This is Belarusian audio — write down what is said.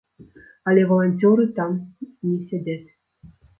Але валанцёры там не сядзяць.